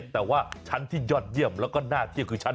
แต่ว่าชั้นที่ยอดเยี่ยมแล้วก็น่าเที่ยวคือชั้น